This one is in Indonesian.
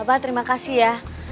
bapak terima kasih ya